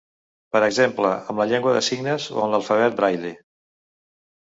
Per exemple en la llengua de signes o en l'alfabet braille.